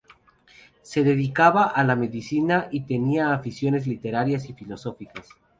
Se dedicaba a la medicina y tenía aficiones literarias y filosóficas.